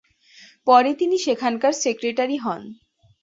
পরে তিনি সেখানকার সেক্রেটারি হন।